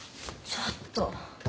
ちょっと。